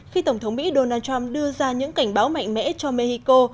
khi tổng thống mỹ donald trump đưa ra những cảnh báo mạnh mẽ cho mexico